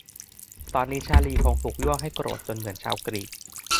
ตอนนี้ชาร์ลีย์คงถูกยั่วให้โกรธจนเหมือนชาวกรีก